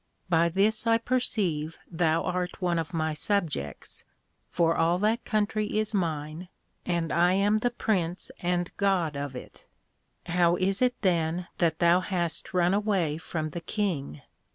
By this I perceive thou art one of my Subjects, for all that country is mine, and I am the Prince and God of it. How is it then that thou hast run away from the King?